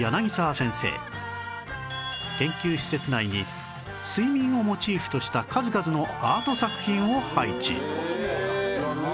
研究施設内に睡眠をモチーフとした数々のアート作品を配置